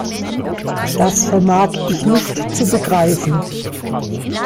Das vermag ich nicht zu begreifen.